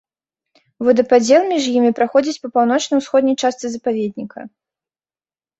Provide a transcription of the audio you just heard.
Водападзел між імі праходзіць па паўночна-ўсходняй частцы запаведніка.